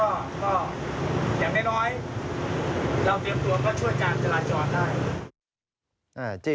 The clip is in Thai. ก็อย่างน้อยเราเตรียมตัวก็ช่วยการจราจรได้